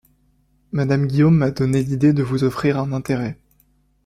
Madame Guillaume m’a donné l’idée de vous offrir un intérêt.